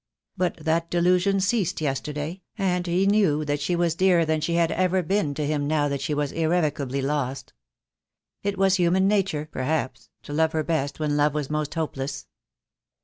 But that delusion ceased yesterday, and he knew that she was dearer than she had ever been to him now that she was irrevocably lost. It was human nature, perhaps, to love her best when love was most hopeless.